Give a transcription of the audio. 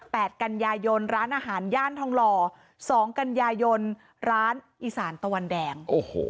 แปดกัญญายนร้านอาหารย่านทองหล่อสองกัญญายนร้านอีสานตะวันแดง